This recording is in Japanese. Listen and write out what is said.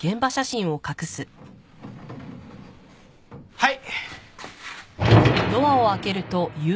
はい。